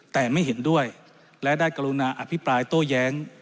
แต่ไม่เห็นด้วยและได้กรุณาอภิปรายโต้แย้ง